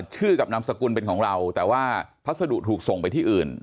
ชื่อกับนามสกุลเป็นของเราแต่ว่าพัสดุถูกส่งไปที่อื่น